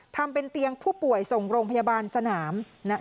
ทำเป็นเตียงผู้ป่วยส่งโรงพยาบาลสนาม